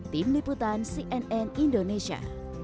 tim liputan cnn indonesia